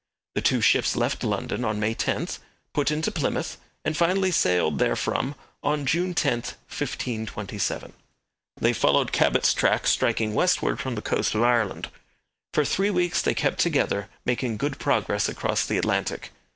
The two ships left London on May 10, put into Plymouth, and finally sailed therefrom on June 10, 1527. They followed Cabot's track, striking westward from the coast of Ireland. For three weeks they kept together, making good progress across the Atlantic.